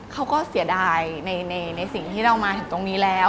เขาก็เสียดายในสิ่งที่เรามาถึงตรงนี้แล้ว